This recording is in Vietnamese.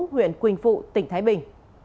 huyện quỳnh phụ tỉnh thái bình